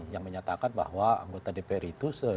yang menyatakan bahwa anggota dpr itu